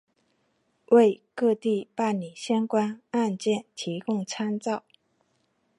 为各地办理相关案件提供参照